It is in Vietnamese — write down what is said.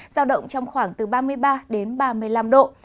giao động trong khoảng từ ba mươi ba đến ba mươi năm độ